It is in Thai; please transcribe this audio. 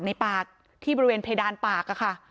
ในปากที่บริเวณเพดานปากค่ะ